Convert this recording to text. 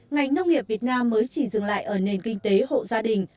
ngành nông nghiệp việt nam mới chỉ dừng lại ở nền kinh tế hộ gia đình